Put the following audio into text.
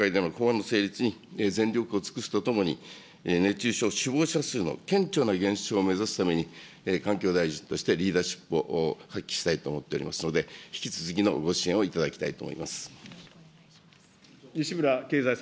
今国会での法案の成立に全力を尽くすとともに、熱中症死亡者数の顕著な減少を目指すために、環境大臣としてリーダーシップを発揮したいと思っておりますので、引き続きのご支援をいただきたいと思います。